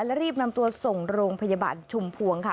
และรีบนำตัวส่งโรงพยาบาลชุมพวงค่ะ